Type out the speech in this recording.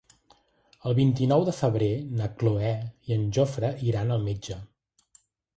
El vint-i-nou de febrer na Cloè i en Jofre iran al metge.